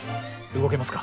動けますか？